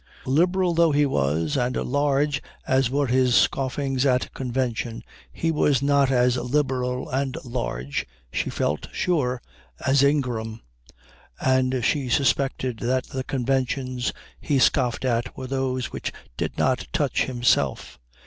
Liberal though he was and large as were his scoffings at convention, he was not as liberal and large, she felt sure, as Ingram, and she suspected that the conventions he scoffed at were those which did not touch himself.